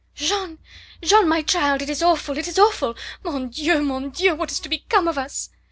"Jeanne! Jeanne! My child! It is awful! It is awful! Mon Dieu mon Dieu! What is to become of us?"